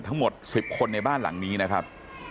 ทั้งหมด๑๐คนในบ้านหลังนี้นะครับ